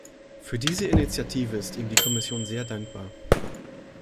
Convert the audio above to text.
Für diese Initiative ist ihm die Kommission sehr dankbar.